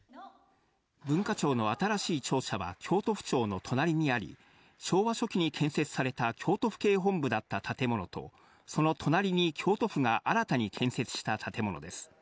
文化庁の新しい庁舎は京都府庁の隣にあり、昭和初期に建設された京都府警本部だった建物と、その隣に京都府が新たに建設した建物です。